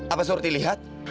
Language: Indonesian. apa surti lihat